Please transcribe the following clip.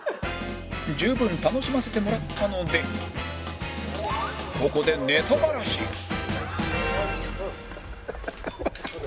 十分楽しませてもらったのでここでハハハハハ。